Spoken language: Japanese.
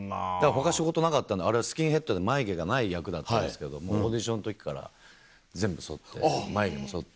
他仕事なかったんであれスキンヘッドで眉毛がない役だったんですけどもうオーディションの時から全部そって眉毛もそって。